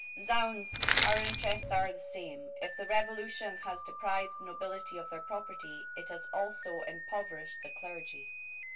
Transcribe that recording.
Zounds! our interests are the same. If the Revolution has deprived the nobility of their property, it has also impoverished the clergy."